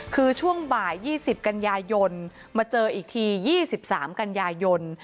คือช่วงบ่ายยี่สิบกันยายยนต์มาเจออีกทียี่สิบสามกันยายยนต์